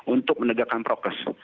untuk menegakkan prokes